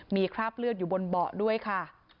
มีคราบเลือดอยู่บนเบาะด้วยค่ะ